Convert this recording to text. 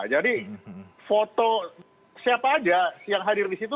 jadi foto siapa aja yang hadir di situ